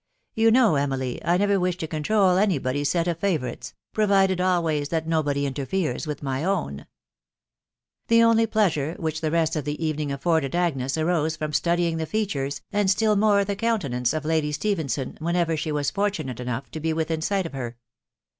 You know, Emily, I never wish to control anybody's set of favourites, provided always that nobody interferes with my own/9 The only pleasure which the rest of the evening afforded Agnes arose from studying the features, and still more the countenance, of Lady Stephenson, whenever she was fortunate enough to be within sight of her.